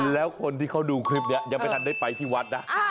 แล้วคนที่เขาดูคลิปนี้ยังไม่ทันได้ไปที่วัดนะ